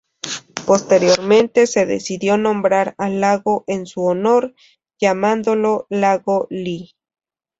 Posteriormente se decidió nombrar al lago en su honor, llamándolo Lago Li.